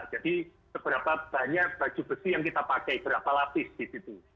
jadi seberapa banyak baju besi yang kita pakai berapa lapis di situ